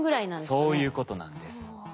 そういうことなんです。